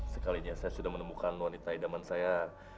sekalinya saya sudah menemukan wanita idaman saya